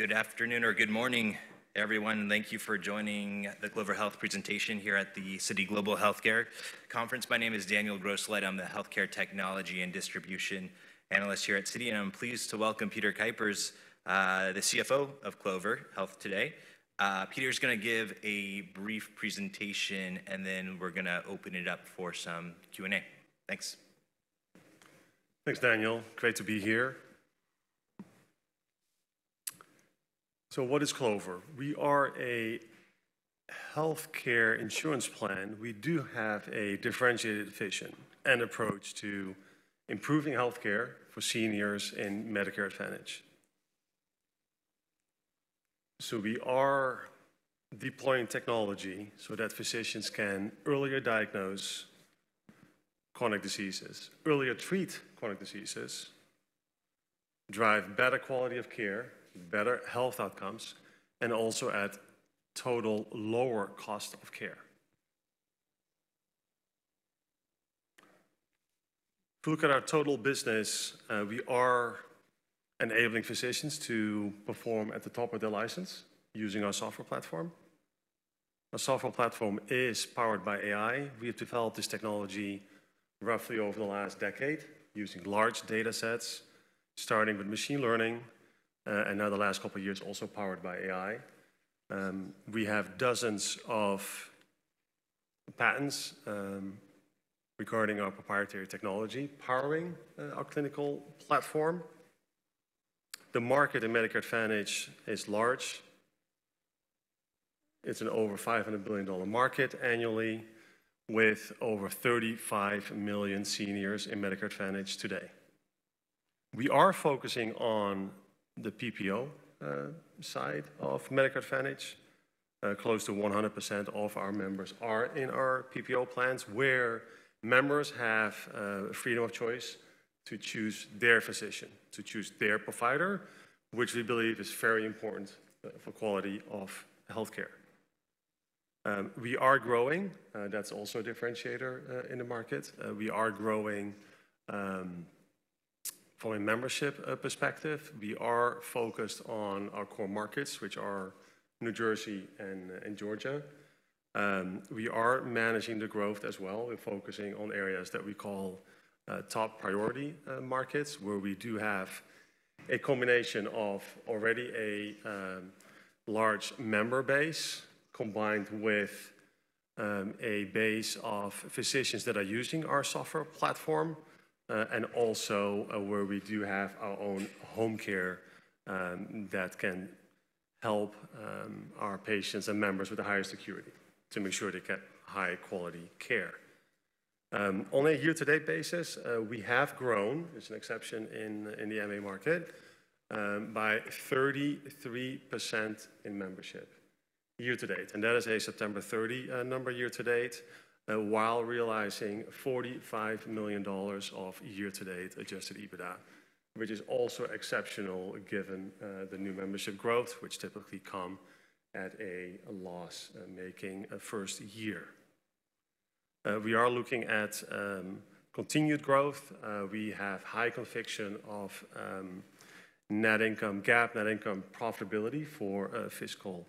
Good afternoon or good morning, everyone. Thank you for joining the Clover Health presentation here at the Citi Global Healthcare Conference. My name is Daniel Grosslight. I'm the Healthcare Technology and Distribution Analyst here at Citi, and I'm pleased to welcome Peter Kuipers, the CFO of Clover Health today. Peter's going to give a brief presentation, and then we're going to open it up for some Q&A. Thanks. Thanks, Daniel. Great to be here. So what is Clover? We are a healthcare insurance plan. We do have a differentiated vision and approach to improving healthcare for seniors and Medicare Advantage. So we are deploying technology so that physicians can earlier diagnose chronic diseases, earlier treat chronic diseases, drive better quality of care, better health outcomes, and also at total lower cost of care. If we look at our total business, we are enabling physicians to perform at the top of their license using our software platform. Our software platform is powered by AI. We have developed this technology roughly over the last decade using large data sets, starting with machine learning, and now the last couple of years also powered by AI. We have dozens of patents regarding our proprietary technology powering our clinical platform. The market in Medicare Advantage is large. It's an over $500 billion market annually, with over 35 million seniors in Medicare Advantage today. We are focusing on the PPO side of Medicare Advantage. Close to 100% of our members are in our PPO plans, where members have freedom of choice to choose their physician, to choose their provider, which we believe is very important for quality of healthcare. We are growing. That's also a differentiator in the market. We are growing from a membership perspective. We are focused on our core markets, which are New Jersey and Georgia. We are managing the growth as well. We're focusing on areas that we call top priority markets, where we do have a combination of already a large member base combined with a base of physicians that are using our software platform, and also where we do have our own home care that can help our patients and members with a higher security to make sure they get high-quality care. On a year-to-date basis, we have grown, it's an exception in the MA market, by 33% in membership year-to-date, and that is a September 30 number year-to-date, while realizing $45 million of year-to-date adjusted EBITDA, which is also exceptional given the new membership growth, which typically comes at a loss-making first year. We are looking at continued growth. We have high conviction of net income GAAP, net income profitability for fiscal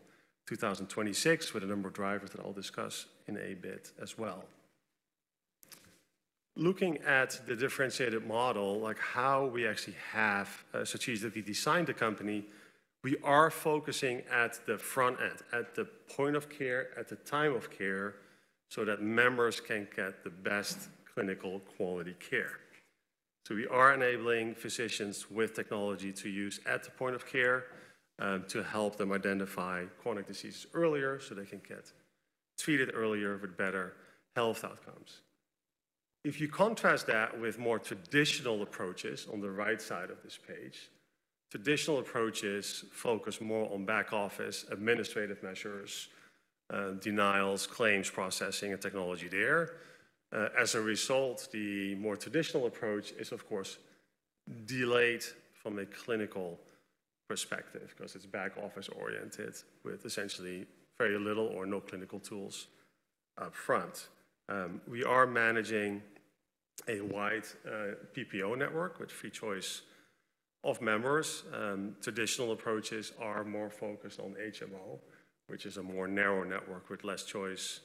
2026, with a number of drivers that I'll discuss in a bit as well. Looking at the differentiated model, like how we actually have strategically designed the company, we are focusing at the front end, at the point of care, at the time of care, so that members can get the best clinical quality care, so we are enabling physicians with technology to use at the point of care to help them identify chronic diseases earlier so they can get treated earlier with better health outcomes. If you contrast that with more traditional approaches on the right side of this page, traditional approaches focus more on back-office, administrative measures, denials, claims processing, and technology there. As a result, the more traditional approach is, of course, delayed from a clinical perspective because it's back-office oriented with essentially very little or no clinical tools upfront. We are managing a wide PPO network with free choice of members. Traditional approaches are more focused on HMO, which is a more narrow network with less choice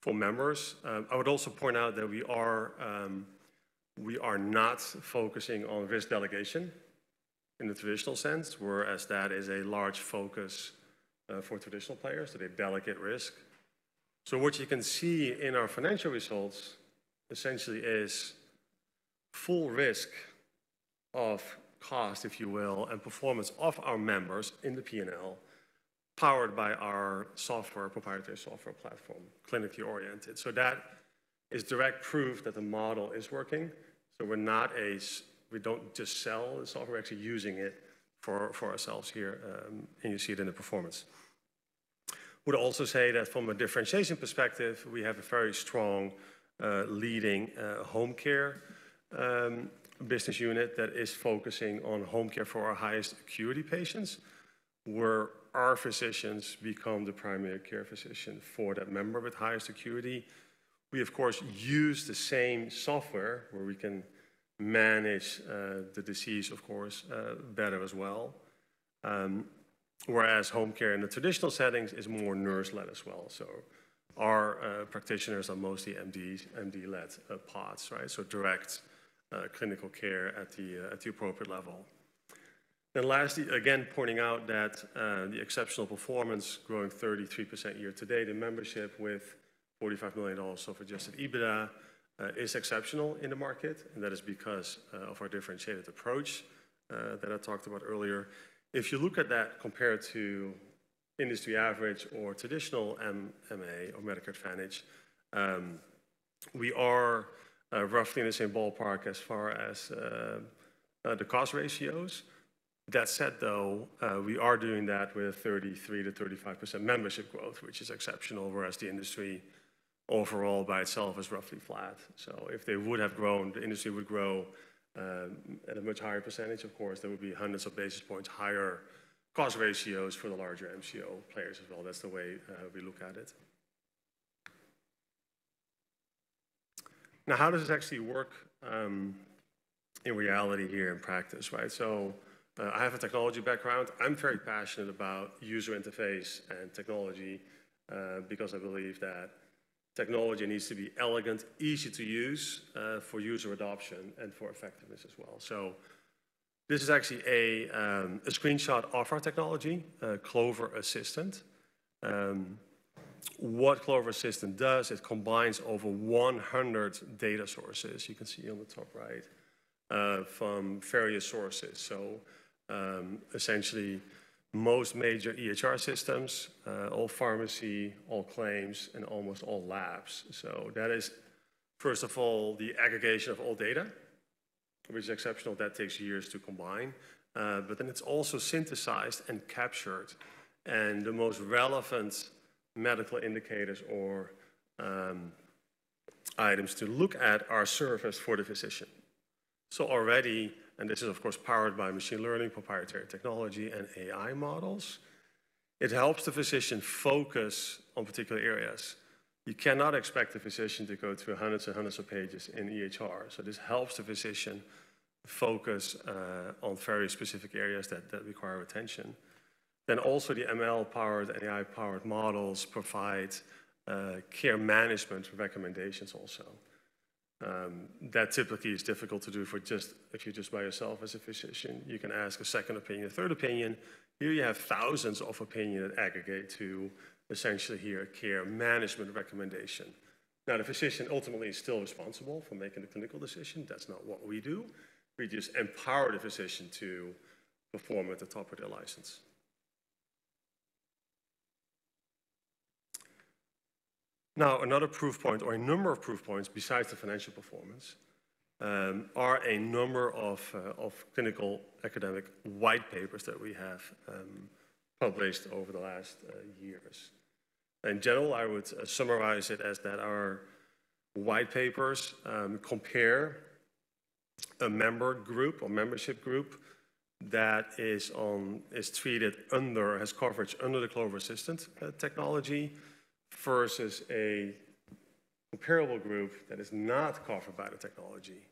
for members. I would also point out that we are not focusing on risk delegation in the traditional sense, whereas that is a large focus for traditional players. They delegate risk. So what you can see in our financial results essentially is full risk of cost, if you will, and performance of our members in the P&L powered by our software, proprietary software platform, clinically oriented. So that is direct proof that the model is working. So we're not a—we don't just sell the software. We're actually using it for ourselves here, and you see it in the performance. I would also say that from a differentiation perspective, we have a very strong leading home care business unit that is focusing on home care for our highest acuity patients, where our physicians become the primary care physician for that member with highest acuity. We, of course, use the same software where we can manage the disease, of course, better as well, whereas home care in the traditional settings is more nurse-led as well. So our practitioners are mostly MD-led pods, right? So direct clinical care at the appropriate level. And lastly, again, pointing out that the exceptional performance, growing 33% year-to-date, and membership with $45 million of Adjusted EBITDA is exceptional in the market. And that is because of our differentiated approach that I talked about earlier. If you look at that compared to industry average or traditional MA or Medicare Advantage, we are roughly in the same ballpark as far as the cost ratios. That said, though, we are doing that with 33%-35% membership growth, which is exceptional, whereas the industry overall by itself is roughly flat. So if they would have grown, the industry would grow at a much higher percentage. Of course, there would be hundreds of basis points higher cost ratios for the larger MCO players as well. That's the way we look at it. Now, how does this actually work in reality here in practice, right? So I have a technology background. I'm very passionate about user interface and technology because I believe that technology needs to be elegant, easy to use for user adoption, and for effectiveness as well. So this is actually a screenshot of our technology, Clover Assistant. What Clover Assistant does, it combines over 100 data sources you can see on the top right from various sources. So essentially, most major EHR systems, all pharmacy, all claims, and almost all labs. So that is, first of all, the aggregation of all data, which is exceptional. That takes years to combine. But then it's also synthesized and captured. And the most relevant medical indicators or items to look at are surfaced for the physician. So already, and this is, of course, powered by machine learning, proprietary technology, and AI models, it helps the physician focus on particular areas. You cannot expect the physician to go through hundreds and hundreds of pages in EHR. So this helps the physician focus on very specific areas that require attention. Then also, the ML-powered, AI-powered models provide care management recommendations also. That typically is difficult to do, just if you're just by yourself as a physician. You can ask a second opinion, a third opinion. Here you have thousands of opinions that aggregate to essentially hear a care management recommendation. Now, the physician ultimately is still responsible for making the clinical decision. That's not what we do. We just empower the physician to perform at the top of their license. Now, another proof point or a number of proof points besides the financial performance are a number of clinical academic white papers that we have published over the last years. In general, I would summarize it as that our white papers compare a member group or membership group that is treated under, has coverage under the Clover Assistant technology versus a comparable group that is not covered by the technology.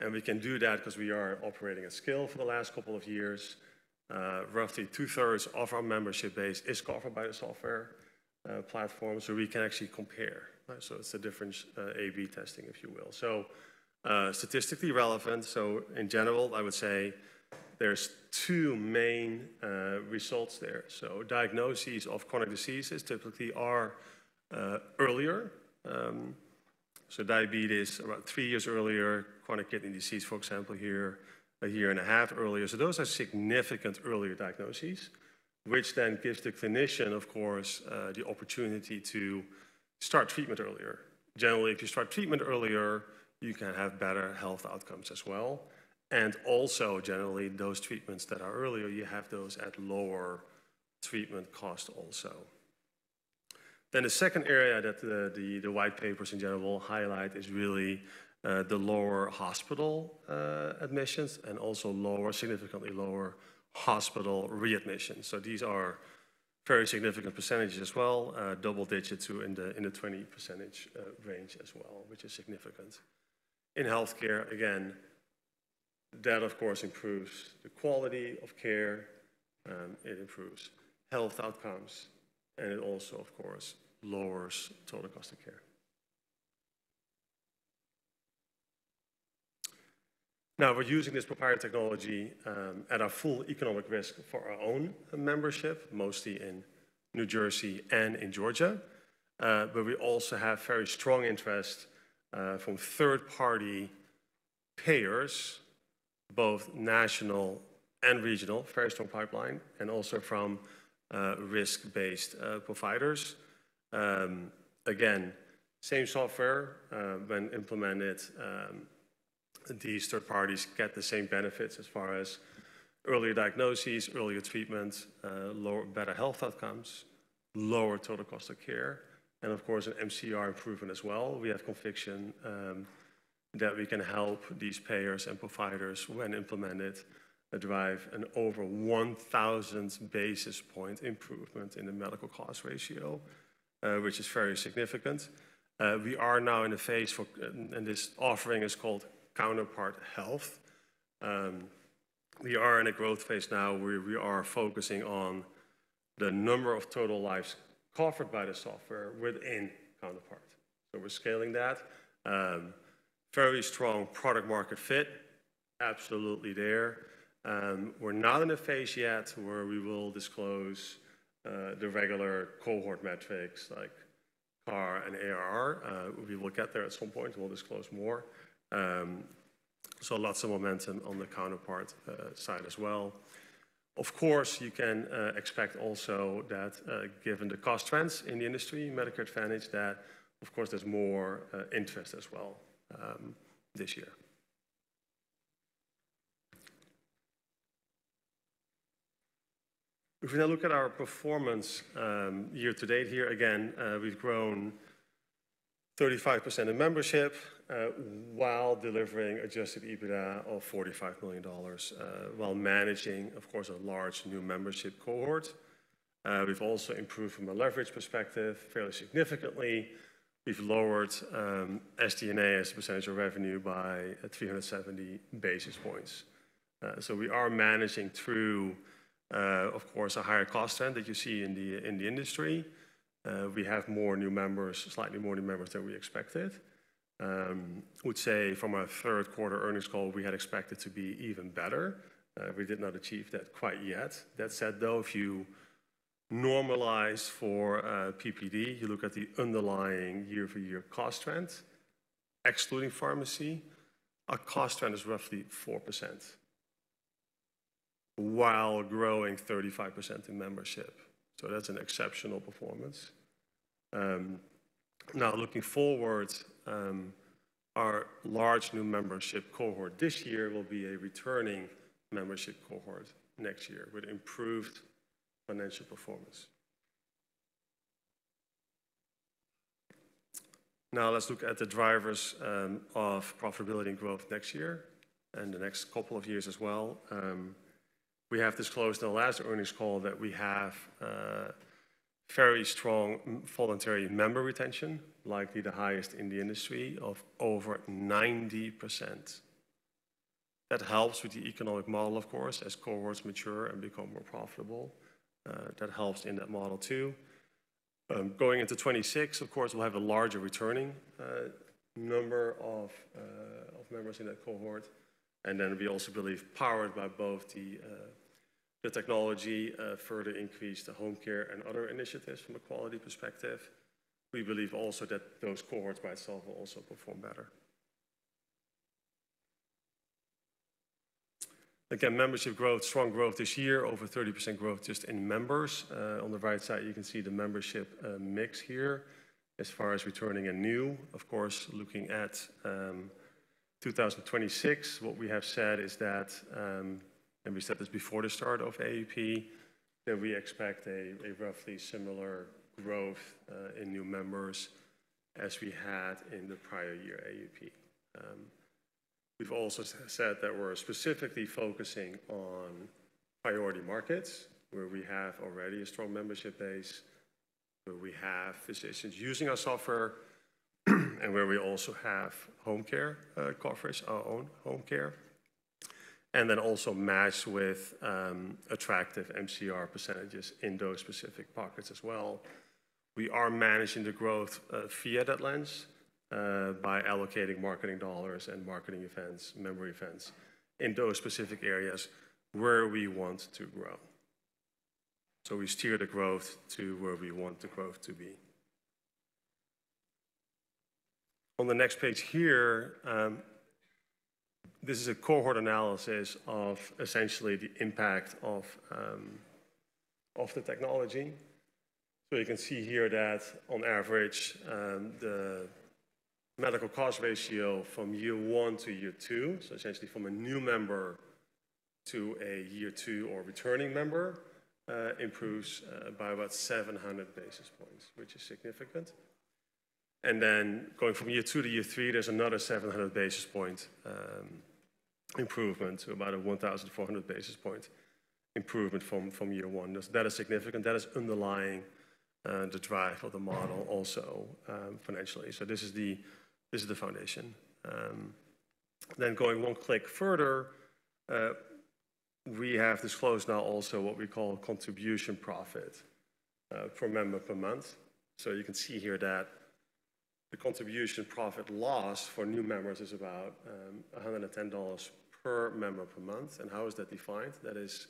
And we can do that because we are operating at scale for the last couple of years. Roughly 2/3 of our membership base is covered by the software platform, so we can actually compare. So it's a different A/B testing, if you will. So statistically relevant. So in general, I would say there's two main results there. So diagnoses of chronic diseases typically are earlier. So diabetes about three years earlier, chronic kidney disease, for example, a year and a half earlier. So those are significant earlier diagnoses, which then gives the clinician, of course, the opportunity to start treatment earlier. Generally, if you start treatment earlier, you can have better health outcomes as well. And also, generally, those treatments that are earlier, you have those at lower treatment cost also. Then the second area that the white papers in general highlight is really the lower hospital admissions and also lower, significantly lower hospital readmissions. So these are very significant percentages as well, double-digits in the 20% range as well, which is significant. In healthcare, again, that, of course, improves the quality of care. It improves health outcomes, and it also, of course, lowers total cost of care. Now, we're using this proprietary technology at our full economic risk for our own membership, mostly in New Jersey and in Georgia. But we also have very strong interest from third-party payers, both national and regional, very strong pipeline, and also from risk-based providers. Again, same software when implemented. These third parties get the same benefits as far as earlier diagnoses, earlier treatments, better health outcomes, lower total cost of care, and, of course, an MCR improvement as well. We have conviction that we can help these payers and providers when implemented drive an over 1,000 basis points improvement in the medical cost ratio, which is very significant. We are now in a phase for, and this offering is called Counterpart Health. We are in a growth phase now where we are focusing on the number of total lives covered by the software within Counterpart. So we're scaling that. Very strong product-market fit, absolutely there. We're not in a phase yet where we will disclose the regular cohort metrics like CARR and ARR. We will get there at some point. We'll disclose more. So lots of momentum on the Counterpart side as well. Of course, you can expect also that given the cost trends in the industry, Medicare Advantage, that, of course, there's more interest as well this year. If we now look at our performance year-to-date here, again, we've grown 35% in membership while delivering Adjusted EBITDA of $45 million while managing, of course, a large new membership cohort. We've also improved from a leverage perspective fairly significantly. We've lowered SG&A as a percentage of revenue by 370 basis points. So we are managing through, of course, a higher cost trend that you see in the industry. We have more new members, slightly more new members than we expected. I would say from our third-quarter earnings call, we had expected to be even better. We did not achieve that quite yet. That said, though, if you normalize for PPD, you look at the underlying year-to-year cost trend, excluding pharmacy, our cost trend is roughly 4% while growing 35% in membership. So that's an exceptional performance. Now, looking forward, our large new membership cohort this year will be a returning membership cohort next year with improved financial performance. Now, let's look at the drivers of profitability and growth next year and the next couple of years as well. We have disclosed in the last earnings call that we have very strong voluntary member retention, likely the highest in the industry of over 90%. That helps with the economic model, of course, as cohorts mature and become more profitable. That helps in that model too. Going into 2026, of course, we'll have a larger returning number of members in that cohort. And then we also believe, powered by both the technology, further increase the home care and other initiatives from a quality perspective. We believe also that those cohorts by itself will also perform better. Again, membership growth, strong growth this year, over 30% growth just in members. On the right side, you can see the membership mix here as far as returning and new. Of course, looking at 2026, what we have said is that, and we said this before the start of AEP, that we expect a roughly similar growth in new members as we had in the prior year AEP. We've also said that we're specifically focusing on priority markets where we have already a strong membership base, where we have physicians using our software, and where we also have home care coverage, our own home care, and then also matched with attractive MCR percentages in those specific pockets as well. We are managing the growth via that lens by allocating marketing dollars and marketing events, member events in those specific areas where we want to grow. So we steer the growth to where we want the growth to be. On the next page here, this is a cohort analysis of essentially the impact of the technology. So you can see here that on average, the medical cost ratio from year one to year two, so essentially from a new member to a year two or returning member, improves by about 700 basis points, which is significant. And then going from year two to year three, there's another 700 basis point improvement to about a 1,400 basis point improvement from year one. That is significant. That is underlying the drive of the model also financially. So this is the foundation. Then going one click further, we have disclosed now also what we call contribution profit per member per month. You can see here that the contribution profit loss for new members is about $110 per member per month. And how is that defined? That is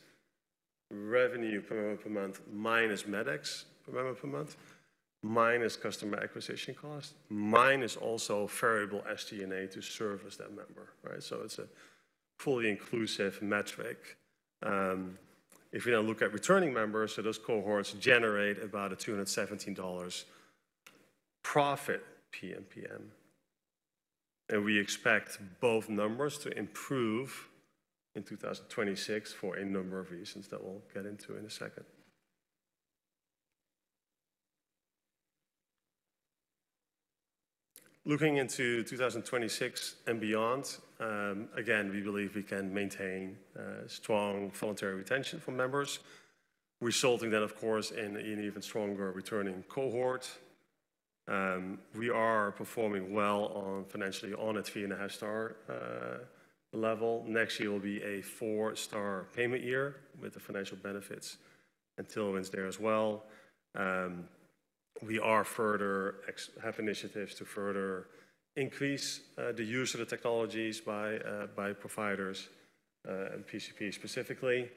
revenue per member per month minus med costs per member per month, minus customer acquisition cost, minus also variable SG&A to service that member, right? So it's a fully inclusive metric. If we now look at returning members, so those cohorts generate about a $217 profit PMPM. And we expect both numbers to improve in 2026 for a number of reasons that we'll get into in a second. Looking into 2026 and beyond, again, we believe we can maintain strong voluntary retention for members, resulting then, of course, in an even stronger returning cohort. We are performing well financially on a three-and-a-half-star level. Next year will be a four-star payment year with the financial benefits and tailwinds there as well. We have initiatives to further increase the use of the technologies by providers and PCPs specifically.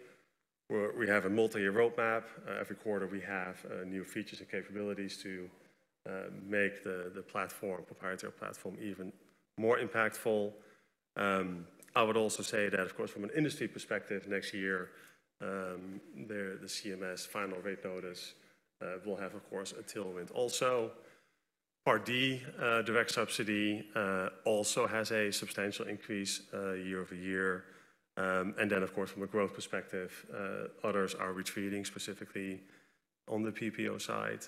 We have a multi-year roadmap. Every quarter, we have new features and capabilities to make the platform, proprietary platform, even more impactful. I would also say that, of course, from an industry perspective, next year, the CMS final rate notice will have, of course, a tailwind. Also, Part D Direct Subsidy also has a substantial increase year-over-year. And then, of course, from a growth perspective, others are retreating specifically on the PPO side.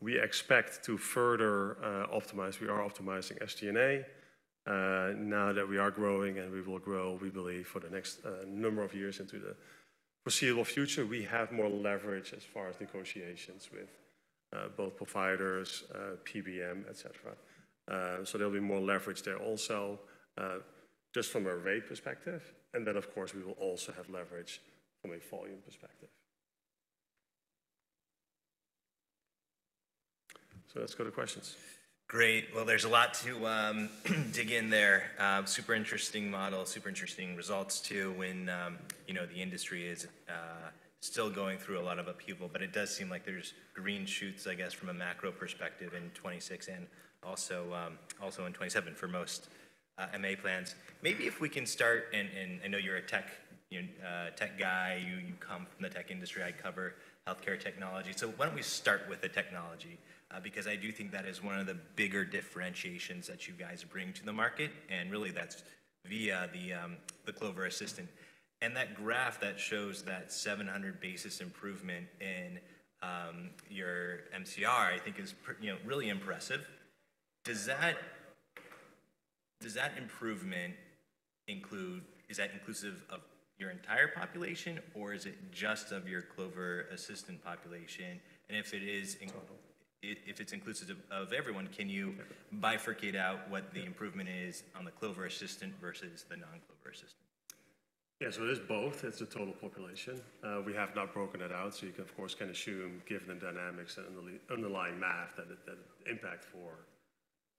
We expect to further optimize. We are optimizing SG&A. Now that we are growing and we will grow, we believe, for the next number of years into the foreseeable future, we have more leverage as far as negotiations with both providers, PBM, etc. So there'll be more leverage there also just from a rate perspective. Then, of course, we will also have leverage from a volume perspective. Let's go to questions. Great. There's a lot to dig in there. Super interesting model, super interesting results too when the industry is still going through a lot of upheaval, but it does seem like there's green shoots, I guess, from a macro perspective in 2026 and also in 2027 for most MA plans. Maybe if we can start, and I know you're a tech guy. You come from the tech industry. I cover healthcare technology. Why don't we start with the technology? Because I do think that is one of the bigger differentiations that you guys bring to the market. Really, that's via the Clover Assistant. That graph that shows that 700 basis improvement in your MCR, I think, is really impressive. Does that improvement include your entire population, or is it just of your Clover Assistant population? And if it is, if it's inclusive of everyone, can you bifurcate out what the improvement is on the Clover Assistant versus the non-Clover Assistant? Yeah, so it is both. It's a total population. We have not broken it out. So you can, of course, assume, given the dynamics and underlying math, that the impact for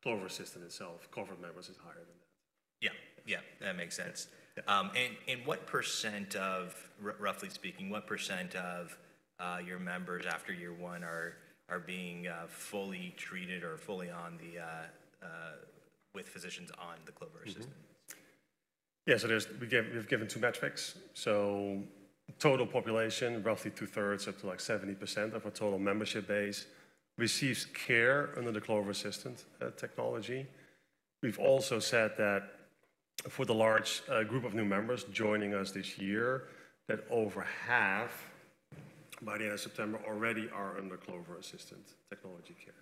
Clover Assistant itself, Clover members, is higher than that. Yeah, yeah. That makes sense. And what percent of, roughly speaking, what percent of your members after year one are being fully treated or fully with physicians on the Clover Assistant? Yeah, so we've given two metrics. So total population, roughly two-thirds up to like 70% of our total membership base receives care under the Clover Assistant technology. We've also said that for the large group of new members joining us this year, that over half by the end of September already are under Clover Assistant technology care.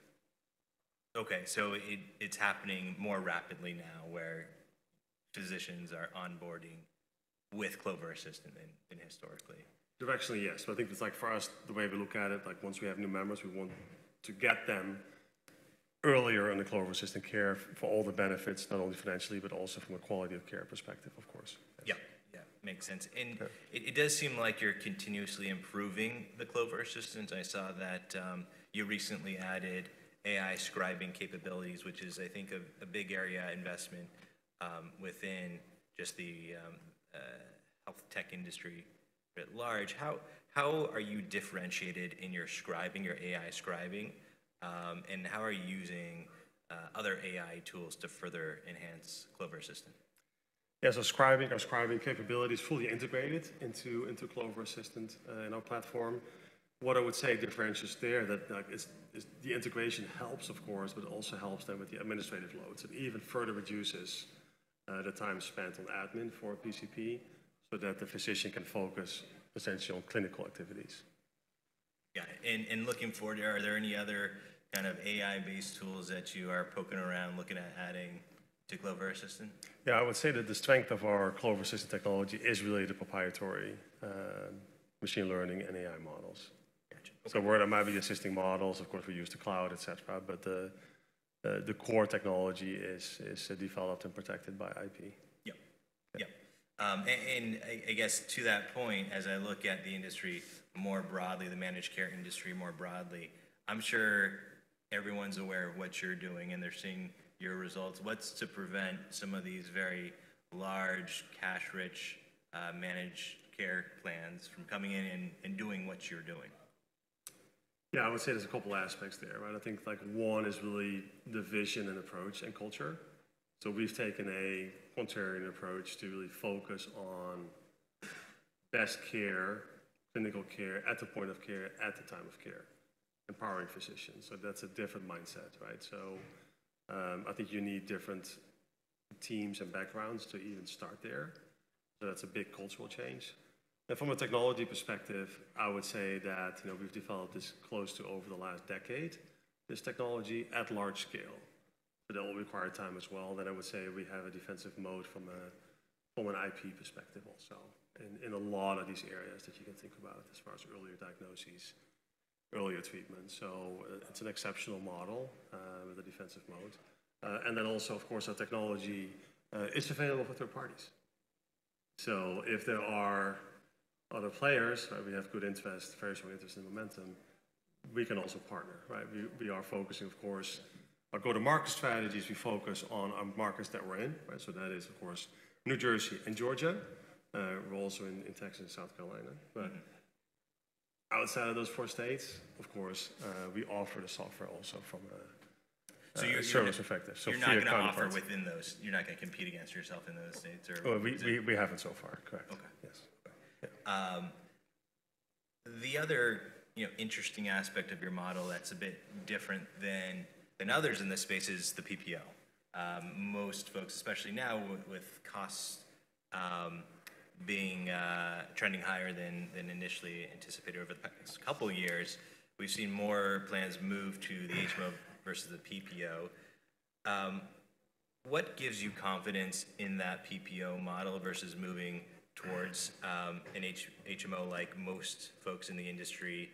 Okay, so it's happening more rapidly now where physicians are onboarding with Clover Assistant than historically. Directionally, yes. But I think it's like for us, the way we look at it, like once we have new members, we want to get them earlier on the Clover Assistant care for all the benefits, not only financially, but also from a quality of care perspective, of course. Yeah, yeah. Makes sense. And it does seem like you're continuously improving the Clover Assistant. I saw that you recently added AI scribing capabilities, which is, I think, a big area investment within just the health tech industry at large. How are you differentiated in your scribing, your AI scribing? And how are you using other AI tools to further enhance Clover Assistant? Yeah, so scribing our scribing capability is fully integrated into Clover Assistant in our platform. What I would say differentiates there is the integration helps, of course, but it also helps them with the administrative loads and even further reduces the time spent on admin for PCP so that the physician can focus essentially on clinical activities. Yeah. And looking forward, are there any other kind of AI-based tools that you are poking around, looking at adding to Clover Assistant? Yeah, I would say that the strength of our Clover Assistant technology is really the proprietary machine learning and AI models. So where there might be assisting models, of course, we use the cloud, etc., but the core technology is developed and protected by IP. Yeah, yeah. I guess to that point, as I look at the industry more broadly, the managed care industry more broadly, I'm sure everyone's aware of what you're doing and they're seeing your results. What's to prevent some of these very large, cash-rich managed care plans from coming in and doing what you're doing? Yeah, I would say there's a couple of aspects there, right? I think one is really the vision and approach and culture. We've taken a quaternary approach to really focus on best care, clinical care at the point of care, at the time of care, empowering physicians. That's a different mindset, right? I think you need different teams and backgrounds to even start there. That's a big cultural change. From a technology perspective, I would say that we've developed this close to over the last decade, this technology at large scale. But it will require time as well. Then I would say we have a defensive mode from an IP perspective also in a lot of these areas that you can think about as far as earlier diagnoses, earlier treatments. So it's an exceptional model with a defensive mode. And then also, of course, our technology is available for third parties. So if there are other players, we have good interest, very strong interest in momentum, we can also partner, right? We are focusing, of course, our go-to-market strategies, we focus on our markets that we're in, right? So that is, of course, New Jersey and Georgia. We're also in Texas and South Carolina. But outside of those four states, of course, we offer the software also from a very effective. So if you're not going to offer within those, you're not going to compete against yourself in those states or? We haven't so far. Correct. Okay. Yes. The other interesting aspect of your model that's a bit different than others in this space is the PPO. Most folks, especially now with costs trending higher than initially anticipated over the past couple of years, we've seen more plans move to the HMO versus the PPO. What gives you confidence in that PPO model versus moving towards an HMO like most folks in the industry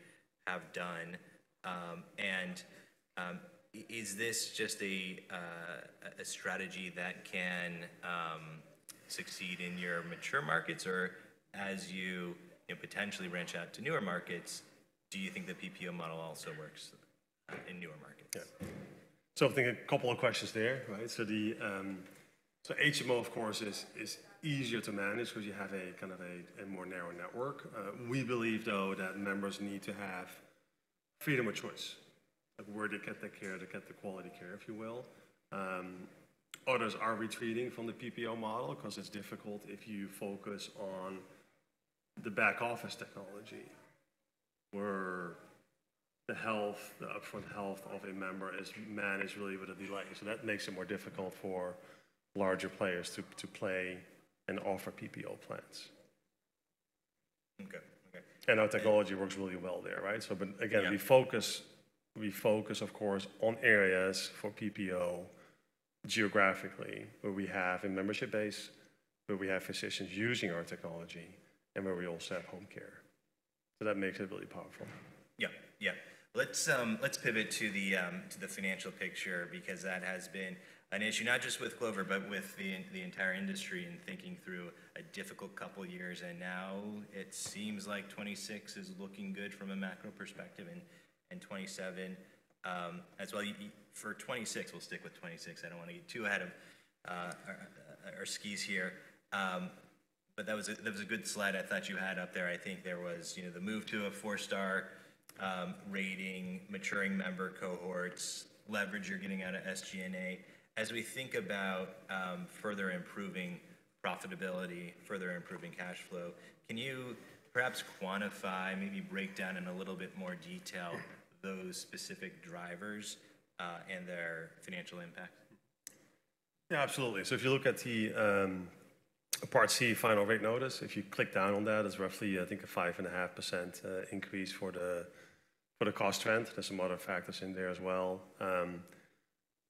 have done? And is this just a strategy that can succeed in your mature markets, or as you potentially branch out to newer markets, do you think the PPO model also works in newer markets? Yeah. So I think a couple of questions there, right? So HMO, of course, is easier to manage because you have a kind of a more narrow network. We believe, though, that members need to have freedom of choice, like where to get the care, to get the quality care, if you will. Others are retreating from the PPO model because it's difficult if you focus on the back office technology where the health, the upfront health of a member is managed really with a delay. So that makes it more difficult for larger players to play and offer PPO plans. Okay. And our technology works really well there, right? But again, we focus, of course, on areas for PPO geographically where we have a membership base, where we have physicians using our technology, and where we also have home care. So that makes it really powerful. Yeah, yeah. Let's pivot to the financial picture because that has been an issue not just with Clover Health, but with the entire industry in thinking through a difficult couple of years. Now it seems like 2026 is looking good from a macro perspective and 2027 as well. For 2026, we'll stick with 2026. I don't want to get too ahead of our skis here. That was a good slide I thought you had up there. I think there was the move to a four-star rating, maturing member cohorts, leverage you're getting out of SG&A. As we think about further improving profitability, further improving cash flow, can you perhaps quantify, maybe break down in a little bit more detail those specific drivers and their financial impact? Yeah, absolutely. If you look at the Part C Final Rate Notice, if you click down on that, it's roughly, I think, a 5.5% increase for the cost trend. There's a lot of factors in there as well.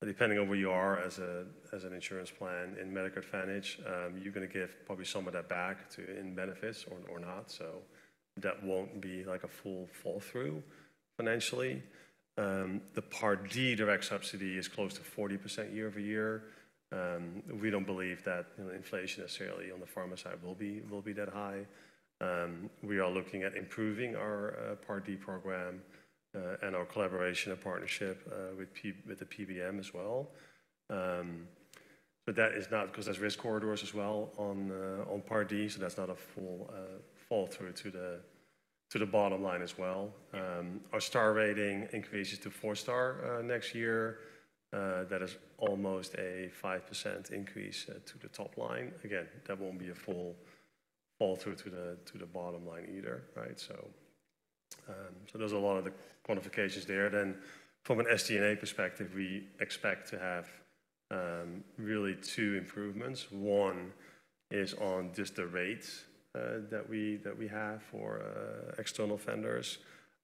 Depending on where you are as an insurance plan in Medicare Advantage, you're going to give probably some of that back in benefits or not. So that won't be like a full fall-through financially. The Part D Direct Subsidy is close to 40% year-over=year. We don't believe that inflation necessarily on the pharma side will be that high. We are looking at improving our Part D program and our collaboration and partnership with the PBM as well. But that is not because there's risk corridors as well on Part D. So that's not a full fall-through to the bottom line as well. Our Star Rating increases to four-star next year. That is almost a 5% increase to the top line. Again, that won't be a full fall-through to the bottom line either, right? So there's a lot of the quantifications there. Then from an SG&A perspective, we expect to have really two improvements. One is on just the rates that we have for external vendors,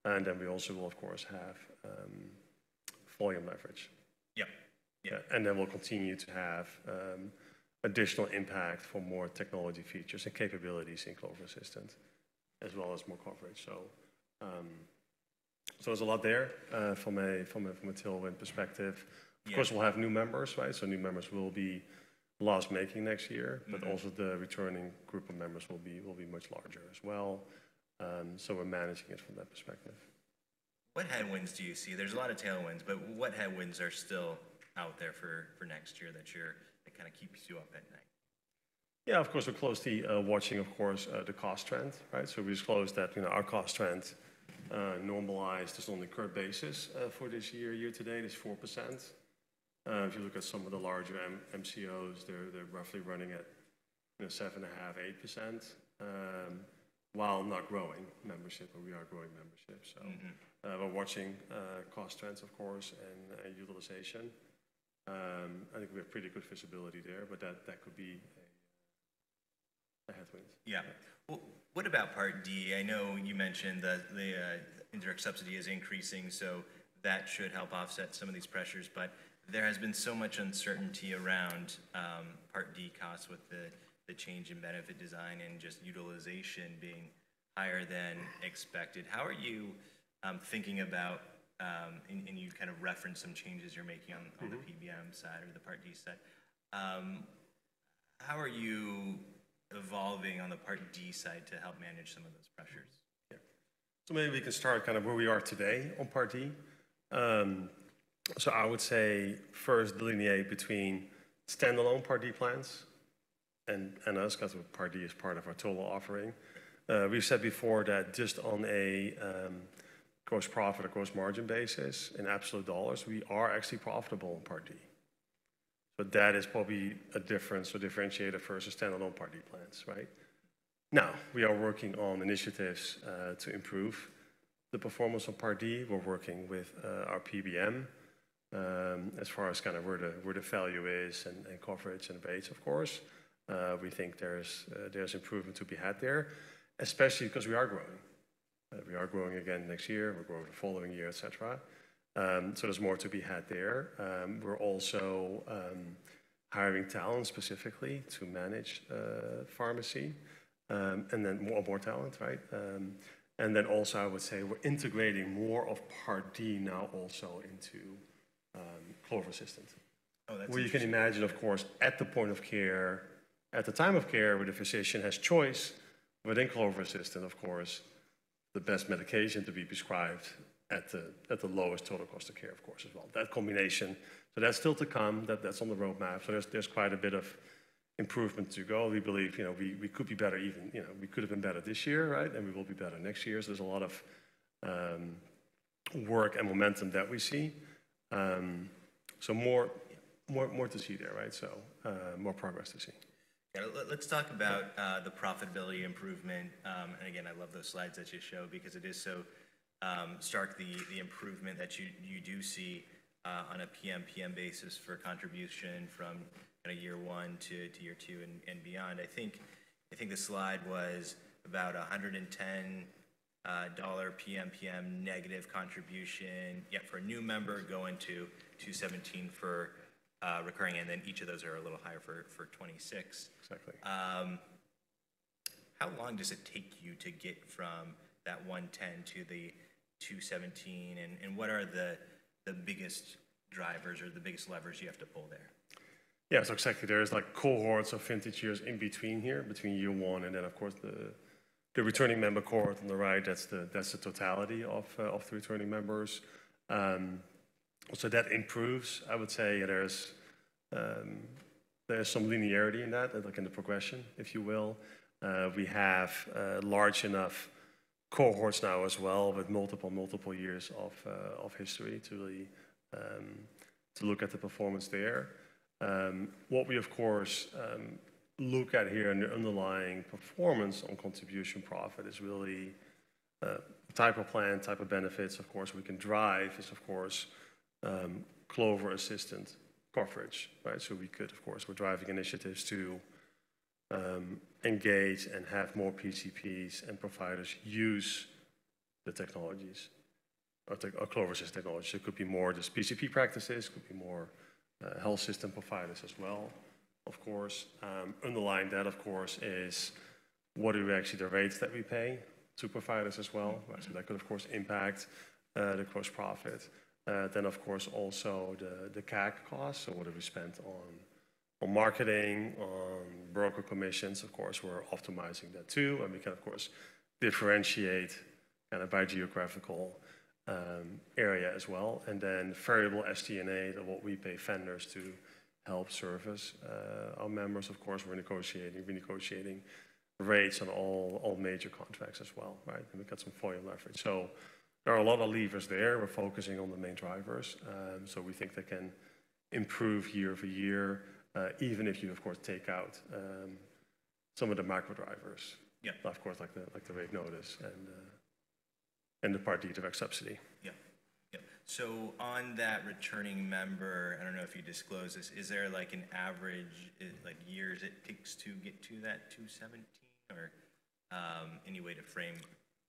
and then we also will, of course, have volume leverage. Yeah. Yeah. And then we'll continue to have additional impact for more technology features and capabilities in Clover Assistant, as well as more coverage. So there's a lot there from a tailwind perspective. Of course, we'll have new members, right, so new members will be loss-making next year, but also the returning group of members will be much larger as well, so we're managing it from that perspective. What headwinds do you see? There's a lot of tailwinds, but what headwinds are still out there for next year that kind of keeps you up at night? Yeah, of course, we're closely watching, of course, the cost trend, right? So we disclosed that our cost trend normalized just on the current basis for this year. Year to date, it's 4%. If you look at some of the larger MCOs, they're roughly running at 7.5%-8%, while not growing membership, but we are growing membership. So we're watching cost trends, of course, and utilization. I think we have pretty good visibility there, but that could be a headwind. Yeah. Well, what about Part D? I know you mentioned that the indirect subsidy is increasing, so that should help offset some of these pressures. But there has been so much uncertainty around Part D costs with the change in benefit design and just utilization being higher than expected. How are you thinking about, and you kind of referenced some changes you're making on the PBM side or the Part D side? How are you evolving on the Part D side to help manage some of those pressures? Yeah. So maybe we can start kind of where we are today on Part D. So I would say first delineate between standalone Part D plans and us because Part D is part of our total offering. We've said before that just on a gross profit or gross margin basis, in absolute dollars, we are actually profitable on Part D. So that is probably a differentiator versus standalone Part D plans, right? Now, we are working on initiatives to improve the performance of Part D. We're working with our PBM as far as kind of where the value is and coverage and rebate, of course. We think there's improvement to be had there, especially because we are growing. We are growing again next year. We're growing the following year, etc. So there's more to be had there. We're also hiring talent specifically to manage pharmacy and then more talent, right? And then also I would say we're integrating more of Part D now also into Clover Assistant. Oh, that's interesting. Where you can imagine, of course, at the point of care, at the time of care where the physician has choice, within Clover Assistant, of course, the best medication to be prescribed at the lowest total cost of care, of course, as well. That combination. So that's still to come. That's on the roadmap. So there's quite a bit of improvement to go. We believe we could be better even. We could have been better this year, right? And we will be better next year. So there's a lot of work and momentum that we see. So more to see there, right? So more progress to see. Yeah. Let's talk about the profitability improvement. And again, I love those slides that you show because it is so stark, the improvement that you do see on a PMPM basis for contribution from year one to year two and beyond. I think the slide was about $110 PMPM negative contribution for a new member going to $217 for recurring. And then each of those are a little higher for 2026. Exactly. How long does it take you to get from that $110 to the $217? And what are the biggest drivers or the biggest levers you have to pull there? Yeah. So exactly. There's cohorts of vintage years in between here, between year one and then, of course, the returning member cohort on the right. That's the totality of the returning members. So that improves, I would say. There's some linearity in that, in the progression, if you will. We have large enough cohorts now as well with multiple, multiple years of history to look at the performance there. What we, of course, look at here in the underlying performance on contribution profit is really type of plan, type of benefits. Of course, we can drive is, of course, Clover Assistant coverage, right? So we could, of course, we're driving initiatives to engage and have more PCPs and providers use the technologies, Clover Assistant technologies. It could be more just PCP practices. It could be more health system providers as well, of course. Underlying that, of course, is what are actually the rates that we pay to providers as well? So that could, of course, impact the gross profit, then, of course, also the CAC costs. So what have we spent on marketing, on broker commissions? Of course, we're optimizing that too. And we can, of course, differentiate kind of by geographical area as well. And then variable SG&A that we pay vendors to help service our members. Of course, we're negotiating. We're negotiating rates on all major contracts as well, right? And we've got some volume leverage. So there are a lot of levers there. We're focusing on the main drivers. So we think they can improve year-over-year, even if you, of course, take out some of the macro drivers, of course, like the rate notice and the Part D direct subsidy. Yeah. Yeah. So on that returning member, I don't know if you disclose this, is there an average year it takes to get to that $217 or any way to frame?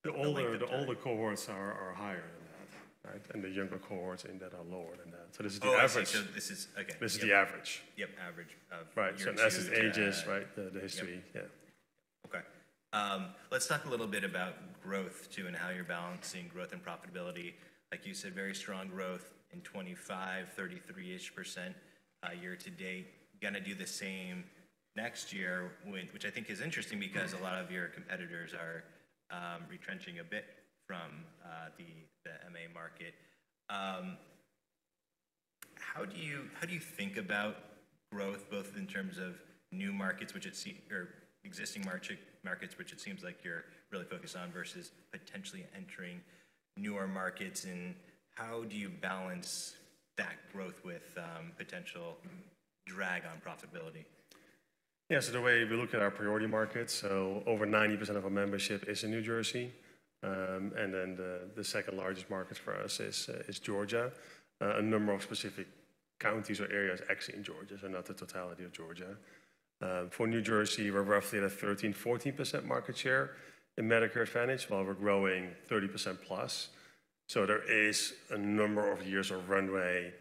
The older cohorts are higher than that, right? And the younger cohorts in that are lower than that. So this is the average. Oh, so this is, again? This is the average. Yep. Average of years. Right. So that's the ages, right? The history. Yeah. Okay. Let's talk a little bit about growth too and how you're balancing growth and profitability. Like you said, very strong growth in 2025, 33-ish% year to date. Going to do the same next year, which I think is interesting because a lot of your competitors are retrenching a bit from the MA market. How do you think about growth, both in terms of new markets or existing markets, which it seems like you're really focused on, versus potentially entering newer markets? And how do you balance that growth with potential drag on profitability? Yeah. So the way we look at our priority markets, so over 90% of our membership is in New Jersey. And then the second largest market for us is Georgia. A number of specific counties or areas actually in Georgia, so not the totality of Georgia. For New Jersey, we're roughly at a 13%-14% market share in Medicare Advantage, while we're growing 30%+. So there is a number of years of runway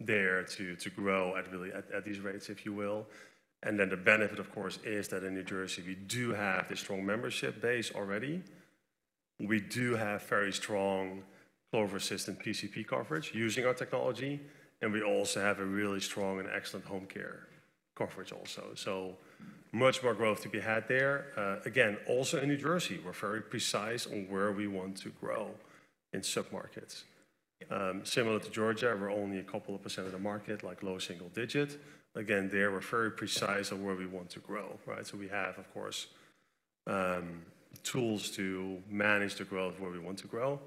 there to grow at these rates, if you will. And then the benefit, of course, is that in New Jersey, we do have a strong membership base already. We do have very strong Clover Assistant PCP coverage using our technology. And we also have a really strong and excellent home care coverage also. So much more growth to be had there. Again, also in New Jersey, we're very precise on where we want to grow in submarkets. Similar to Georgia, we're only a couple of percent of the market, like low single digit. Again, there, we're very precise on where we want to grow, right? So we have, of course, tools to manage the growth where we want to grow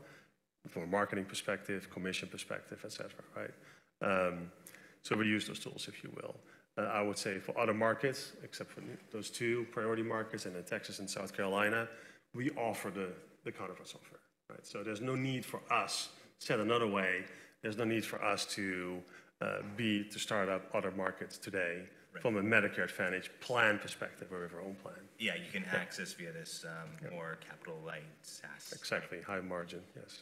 from a marketing perspective, commission perspective, etc., right? So we use those tools, if you will. I would say for other markets, except for those two priority markets and in Texas and South Carolina, we offer the Counterpart software, right? So there's no need for us to set another way. There's no need for us to start up other markets today from a Medicare Advantage plan perspective or with our own plan. Yeah. You can access via this more capital-light SaaS. Exactly. High margin, yes.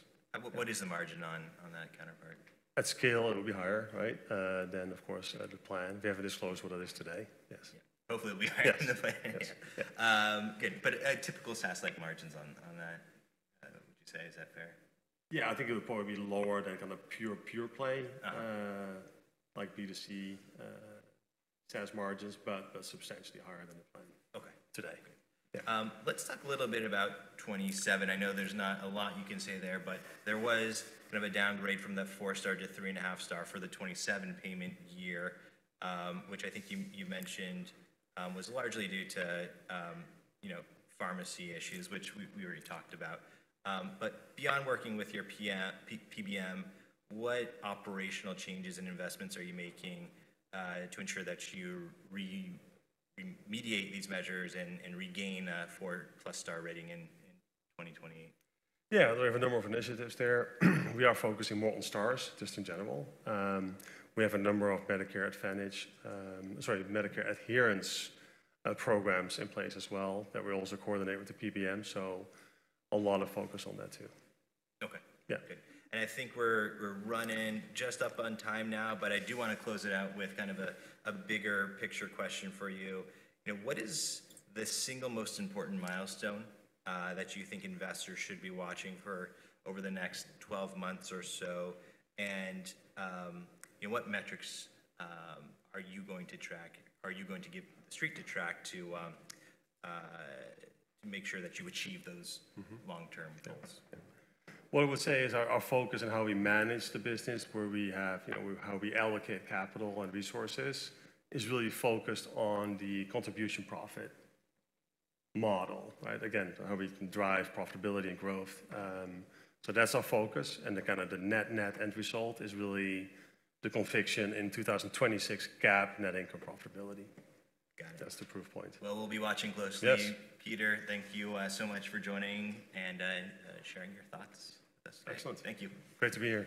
What is the margin on that Counterpart? At scale, it will be higher, right? Then, of course, the plan. We haven't disclosed what it is today. Yes. Hopefully, it'll be higher than the plan. Good. But typical SaaS-like margins on that, would you say? Is that fair? Yeah. I think it would probably be lower than kind of pure-play, like B2C SaaS margins, but substantially higher than the plan today. Let's talk a little bit about 2027. I know there's not a lot you can say there, but there was kind of a downgrade from the four-star to three-and-a-half-star for the 2027 payment year, which I think you mentioned was largely due to pharmacy issues, which we already talked about. But beyond working with your PBM, what operational changes and investments are you making to ensure that you remediate these measures and regain a four-plus-star rating in 2020? Yeah. There are a number of initiatives there. We are focusing more on stars just in general. We have a number of Medicare Advantage, sorry, Medicare adherence programs in place as well that we also coordinate with the PBM. So a lot of focus on that too. Okay. Yeah. Good. And I think we're running just up on time now, but I do want to close it out with kind of a bigger picture question for you. What is the single most important milestone that you think investors should be watching for over the next 12 months or so? And what metrics are you going to track? Are you going to stay on track to make sure that you achieve those long-term goals? What I would say is our focus on how we manage the business and how we allocate capital and resources is really focused on the contribution profit model, right? Again, how we can drive profitability and growth. So that's our focus. And kind of the net-net end result is really the conviction in 2026 GAAP net income profitability. That's the proof point. Well, we'll be watching closely. Peter, thank you so much for joining and sharing your thoughts. Excellent. Thank you. Great to be here.